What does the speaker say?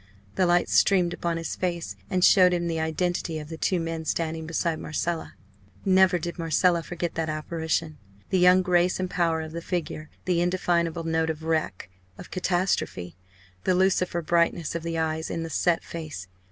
The light streamed upon his face, and showed him the identity of the two men standing beside Marcella. Never did Marcella forget that apparition the young grace and power of the figure the indefinable note of wreck, of catastrophe the Lucifer brightness of the eyes in the set face.